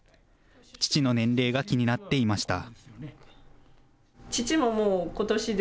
父の年齢が気になっていました。